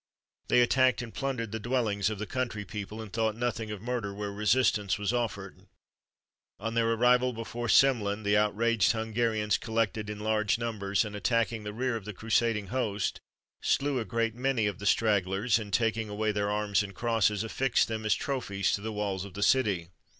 They attacked and plundered the dwellings of the country people, and thought nothing of murder where resistance was offered. On their arrival before Semlin, the outraged Hungarians collected in large numbers, and, attacking the rear of the crusading host, slew a great many of the stragglers, and, taking away their arms and crosses, affixed them as trophies to the walls of the city.